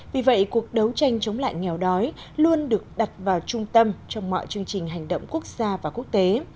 vì vậy cuộc đấu tranh chống lại nghèo đói luôn được đặt vào trung tâm trong mọi chương trình hành động quốc gia và quốc tế